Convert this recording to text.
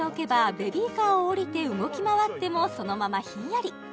ベビーカーを降りて動き回ってもそのままひんやり